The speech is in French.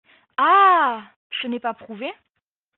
Ah ! ce n’est pas prouvé.